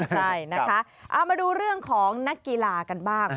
ใช่นะคะเอามาดูเรื่องของนักกีฬากันบ้าง